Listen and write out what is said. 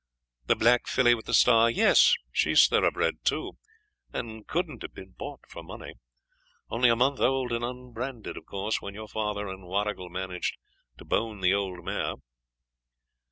The black filly with the star yes, she's thoroughbred too, and couldn't have been bought for money. Only a month old and unbranded, of course, when your father and Warrigal managed to bone the old mare.